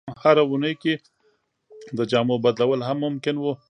هره اونۍ کې د جامو بدلول هم ممکن وو.